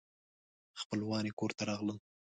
خپلوان یې کور ته راغلل.